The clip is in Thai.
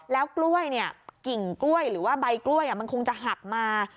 แล้วกล้วยเนี่ยกิ่งกล้วยหรือว่าใบกล้วยมันคงจะหักมา